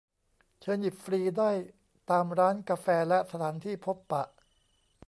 เชิญหยิบฟรีได้ตามร้านกาแฟและสถานที่พบปะ